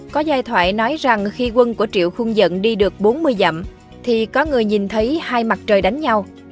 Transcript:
có giai thoại nói rằng khi quân của triệu khuôn dẫn đi được bốn mươi dặm thì có người nhìn thấy hai mặt trời đánh nhau